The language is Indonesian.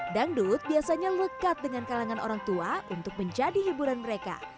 dangdut biasanya lekat dengan kalangan orang tua untuk menjadi hiburan mereka